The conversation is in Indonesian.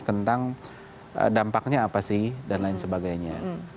tentang dampaknya apa sih dan lain sebagainya